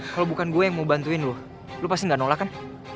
kalo bukan gue yang mau bantuin lu lu pasti ga nolak kan